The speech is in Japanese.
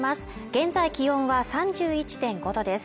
現在気温は３１．５度です